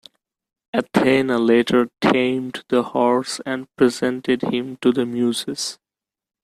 Athena later tamed the horse and presented him to the muses.